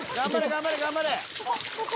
頑張れ頑張れ！